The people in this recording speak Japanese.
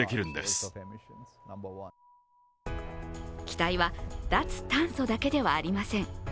期待は、脱炭素だけではありません。